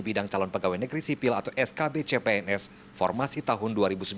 bidang calon pegawai negeri sipil atau skb cpns formasi tahun dua ribu sembilan belas